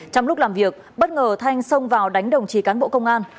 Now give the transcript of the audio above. trong lúc làm việc bất ngờ thanh xông vào đánh đồng chí cán bộ công an